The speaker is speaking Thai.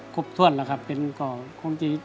ครบถ่วนแล้วครับมีของจริง